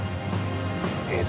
江戸？